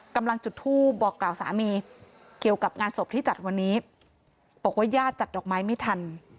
กำลังจุดทูปบอกกล่าวสามีเกี่ยวกับงานศพที่จัดวันนี้บอกว่าญาติจัดดอกไม้ไม่ทัน